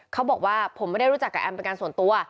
เขาบอกว่าผมไม่ได้รู้จักกับแอมเป็นการส่วนตัว